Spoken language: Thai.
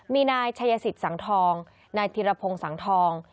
มีนายชัยสิทธิสังทองนายธิรพงศ์สังทอง